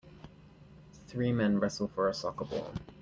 Three men wrestle for a soccer ball.